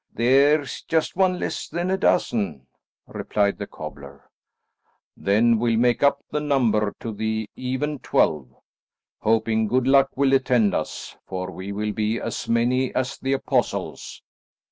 "There's just one less than a dozen," replied the cobbler. "Then we'll make up the number to the even twelve, hoping good luck will attend us, for we will be as many as the Apostles.